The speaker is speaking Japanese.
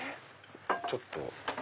ちょっと。